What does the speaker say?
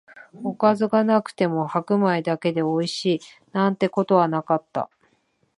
おかずがなくても白米だけでおいしい、なんてことはなかった